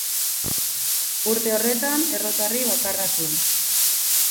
Urte horretan errotarri bakarra zuen.